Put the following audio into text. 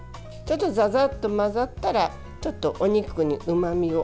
ざざっと混ざったらちょっとお肉にうまみを。